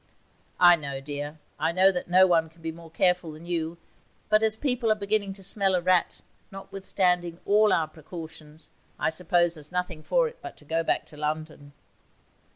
'I know, dear, I know that no one can be more careful than you; but as people are beginning to smell a rat notwithstanding all our precautions, I suppose there's nothing for it but to go back to London.'